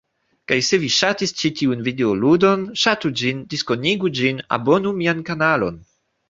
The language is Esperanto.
Kaj se vi ŝatis ĉi tiun videoludon, ŝatu ĝin, diskonigu ĝin, abonu mian kanalon.